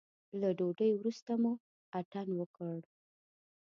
له ډوډۍ وروسته مو اتڼ وکړ.